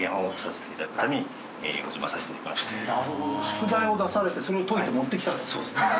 宿題を出されてそれを解いて持ってきたんですね。